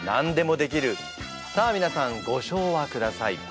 さあ皆さんご唱和ください。